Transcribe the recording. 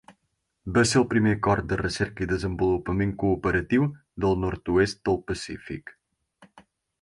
Va ser el primer acord de recerca i desenvolupament cooperatiu del nord-oest del Pacífic.